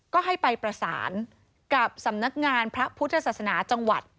ก็ให้ไปประสานกับสำนักงานพระพุทธศาสนาจังหวัด